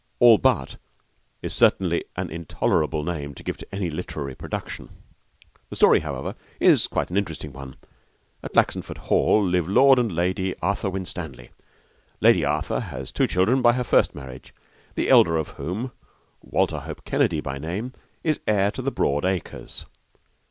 All But is certainly an intolerable name to give to any literary production. The story, however, is quite an interesting one. At Laxenford Hall live Lord and Lady Arthur Winstanley. Lady Arthur has two children by her first marriage, the elder of whom, Walter Hope Kennedy by name, is heir to the broad acres.